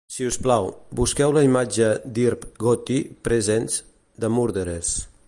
Si us plau, busqueu la imatge d'Irv Gotti Presents: The Murderers.